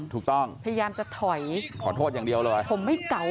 ถูกต้องพยายามจะถอยขอโทษอย่างเดียวผมไม่เกา๋ผม